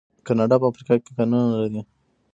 کاناډا په افریقا کې کانونه لري.